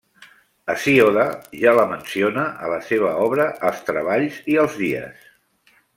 Hesíode ja la menciona a la seva obra Els treballs i els dies.